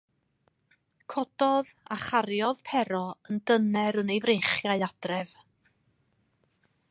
Cododd a chariodd Pero yn dyner yn ei freichiau adref.